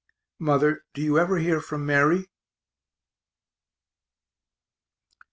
Mother, do you ever hear from Mary?